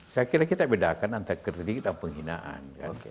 saya kira kita bedakan antara kritik dan penghinaan